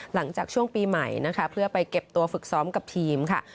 หลังจากช่วงปีใหม่นะคะเพื่อไปเก็บตัวฝึกซ้อมกับทีมค่ะ